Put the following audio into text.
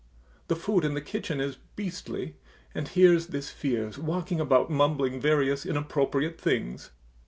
The food in the kitchen is beastly, and here's this Fiers walking about mumbling various inappropriate things.